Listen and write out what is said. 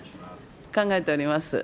考えております。